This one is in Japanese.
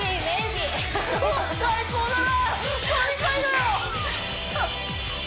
最高だな！